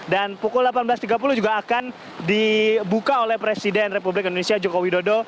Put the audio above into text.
dan pukul delapan belas tiga puluh juga akan dibuka oleh presiden republik indonesia joko widodo